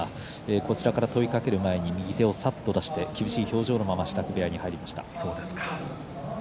こちらから問いかける前に右手をさっと出して厳しい表情のまま支度部屋に戻りました。